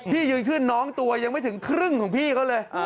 ยืนขึ้นน้องตัวยังไม่ถึงครึ่งของพี่เขาเลย